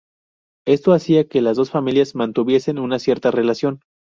Esto hacía que las dos familias mantuviesen una cierta relación.